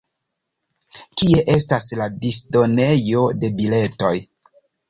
Kie estas la disdonejo de biletoj?